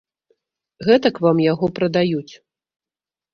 Гэтак вам яго прадаюць.